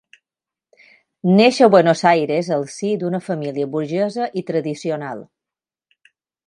Neix a Buenos Aires al si d'una família burgesa i tradicional.